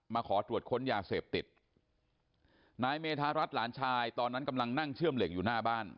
ขอตรวจค้นยาเสพติดนายเมธารัฐหลานชายตอนนั้นกำลังนั่งเชื่อมเหล็กอยู่หน้าบ้าน